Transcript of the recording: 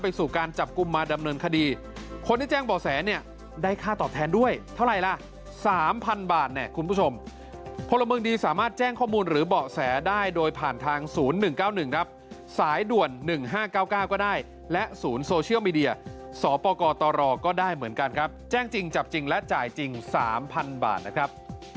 พลเมืองดีสามารถแจ้งข้อมูลหรือเบาะแสได้โดยผ่านทางศูนย์๑๙๑ครับสายด่วน๑๕๙๙ก็ได้และศูนย์โซเชียลมีเดียสอปกตรต่อรอก็ได้เหมือนกันครับแจ้งจริงจับจริงและจ่ายจริง๓๐๐๐บาทนะครับ